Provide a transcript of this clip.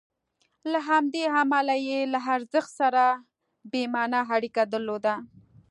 له همدې امله یې له ارزښت سره بې معنا اړیکه درلوده.